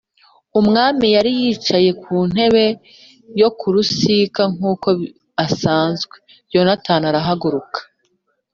Umwami yari yicaye ku ntebe yo ku rusika nk’uko asanzwe, Yonatani arahaguruka.